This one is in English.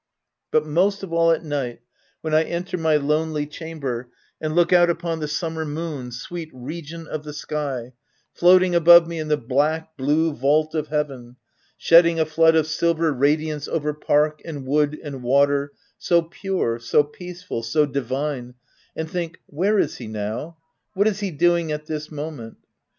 116 THE TENANT But most of all, at night, when I enter my lonely chamber, and look out upon the summer moon, c sweet regent of the sky/ floating above me in the ( black blue vault of heaven,' shed ding a flood of silver radiance over park, and wood, and water, so pure, so peaceful, so divine, — and think Where is he now ?— what is he doing at this moment